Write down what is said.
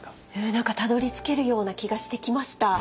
何かたどりつけるような気がしてきました。